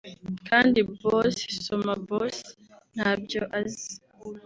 kandi Boss (Soma Bosi) ntabyo azi